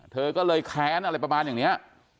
เธอก็เลยแค้นอะไรประมาณอย่างนี้